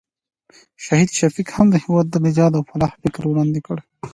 شهید شفیق هم د هېواد د نجات او فلاح فکر وړاندې کړ.